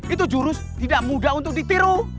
itu jurus tidak mudah untuk ditiru